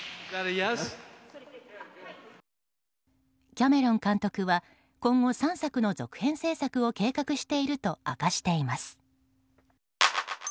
キャメロン監督は今後３作の続編製作を計画していると明かしています。